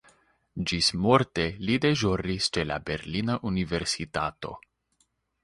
Ĝismorte li deĵoris ĉe la berlina universitato.